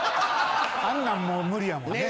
あんなんもう無理やもんね。